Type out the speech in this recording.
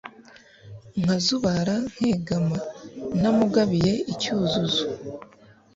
Nkazubara nkegama Ntamugabiye icyuzuzo